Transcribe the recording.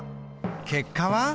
結果は？